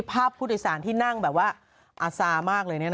ภาพผู้โดยสารที่นั่งแบบว่าอาซามากเลย